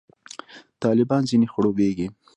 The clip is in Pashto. طالبان ځنې خړوبېږي.